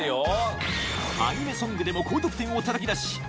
アニメソングでも高得点をたたき出し